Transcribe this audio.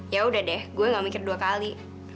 ya udah deh gue gak mikir dua kali